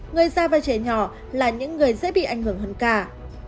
người già và trẻ nhỏ là những người dễ bị ảnh hưởng hơn cả